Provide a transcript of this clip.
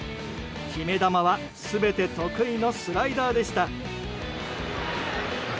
決め球は全て得意のスライダーでした。